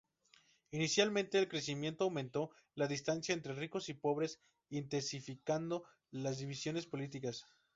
Inicialmente el crecimiento aumentó la distancia entre ricos y pobres, intensificando las divisiones políticas.